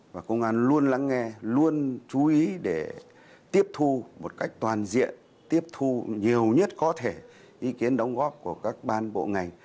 và công an luôn lắng nghe luôn chú ý để tiếp thu một cách toàn diện tiếp thu nhiều nhất có thể ý kiến đóng góp của các ban bộ ngành